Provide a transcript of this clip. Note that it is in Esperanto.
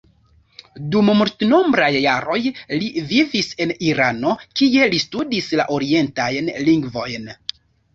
Dum multenombraj jaroj li vivis en Irano, kie li studis la orientajn lingvojn.